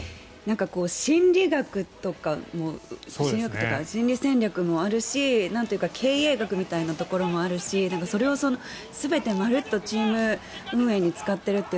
心理学とか、心理学というか心理戦略もあるしなんというか経営学みたいなところもあるしそれを全て丸っとチーム運営に使っているなと。